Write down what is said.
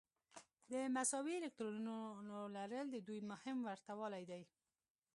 د مساوي الکترونونو لرل د دوی مهم ورته والی دی.